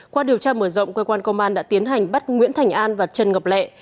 qua điều tra mở rộng quê quan công an đã tiến hành bắt nguyễn thành an và trần ngọc lệ